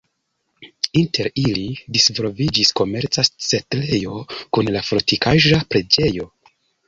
Inter ili disvolviĝis komerca setlejo kun la fortikaĵa preĝejo.